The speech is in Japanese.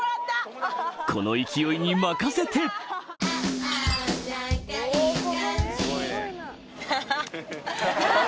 この勢いに任せてハハっ。